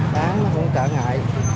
bán nó cũng trả ngại